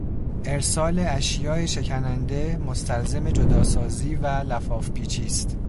ارسال اشیای شکننده مستلزم جداسازی و لفافپیچی است.